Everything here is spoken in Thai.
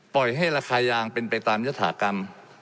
ปล่อยให้ราคายางเป็นไปตามยฐากรรม